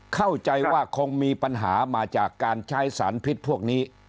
เข้าใจว่าคงมีปัญหามาจากการใช้สารพิษพวกนี้